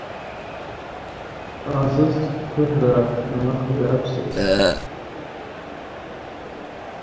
Sayfiddinov cho‘chib tushdi, orqasiga qarab, bolani ko‘rgach: